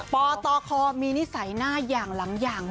ปตคมีนิสัยหน้าอย่างหลังอย่าง